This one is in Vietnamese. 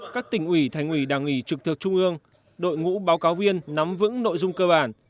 các tỉnh ủy thành ủy đảng ủy trực thuộc trung ương đội ngũ báo cáo viên nắm vững nội dung cơ bản